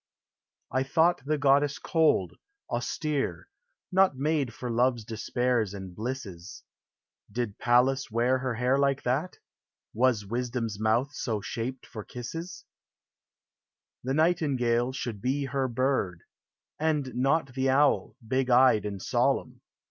I thought the goddess cold, austere, Not made for love's despairs and blisses ; THE ARTS. 383 Did Pallas wear her hair like that? Was Wisdom's mouth so shaped for kisses : The Nightingale should he her bird, And not the Owl, hig eyed and solemn.